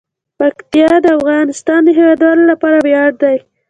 پکتیا د افغانستان د هیوادوالو لپاره ویاړ دی.